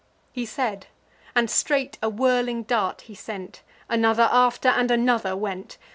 He said; and straight a whirling dart he sent; Another after, and another went.